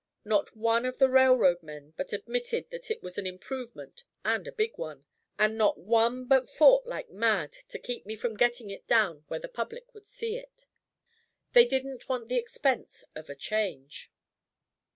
Not one of the railroad men but admitted that it was an improvement, and a big one and not one but fought like mad to keep me from getting it down where the public would see it. They didn't want the expense of a change."